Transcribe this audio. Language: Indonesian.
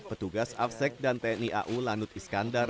petugas afsek dan tni au lanut iskandar